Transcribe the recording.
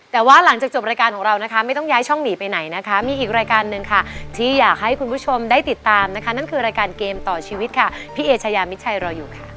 แต่ว่าหลังจากจบรายการของเรานะคะไม่ต้องย้ายช่องหนีไปไหนนะคะมีอีกรายการหนึ่งค่ะที่อยากให้คุณผู้ชมได้ติดตามนะคะนั่นคือรายการเกมต่อชีวิตค่ะพี่เอชายามิดชัยรออยู่ค่ะ